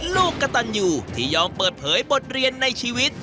ลูกกระตันอยู่ที่ยอมเปิดเผยบทเรียนในชีวิต